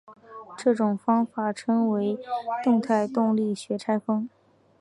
这种方法称为动态动力学拆分。